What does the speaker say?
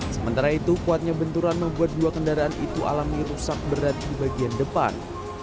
sementara itu kuatnya benturan membuat dua kendaraan itu alami rusak berat di bagian depan